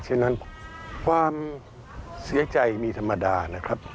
ฉะนั้นความเสียใจมีธรรมดานะครับ